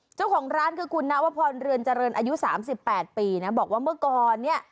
เจ้าของร้านคือคุณนวพรเรือนเจริญอายุ๓๘ปีนะบอกว่าเมื่อก่อนเนี่ย